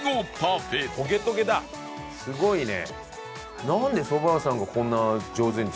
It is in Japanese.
すごいね！